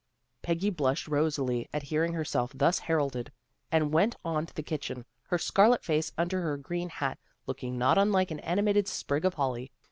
Peggy blushed rosily, at hearing herself thus heralded, and went on to the kitchen, her scarlet face under her green hat, looking not unlike an animated sprig of holly.